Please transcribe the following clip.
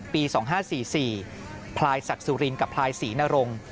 ปี๒๕๔๔พลายศักดิ์สุรินกับพลายศรีนรงค์